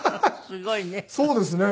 すごいね。